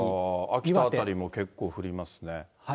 秋田辺りでも結構降りますね。